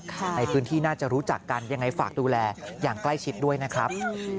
ในพื้นที่น่าจะรู้จักกันยังไงฝากดูแลอย่างใกล้ชิดด้วยนะครับ